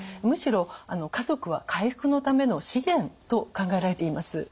むしろ家族は回復のための資源と考えられています。